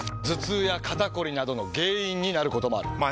頭痛や肩こりなどの原因になることもある。